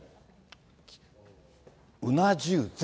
うな重膳。